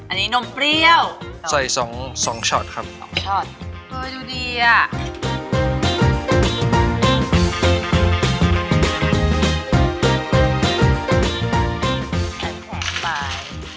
อันนี้นมเปรี้ยวใส่สองสองช็อตครับช็อตดูดีอ่ะ